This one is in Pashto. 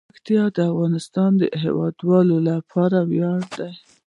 پکتیا د افغانستان د هیوادوالو لپاره ویاړ دی.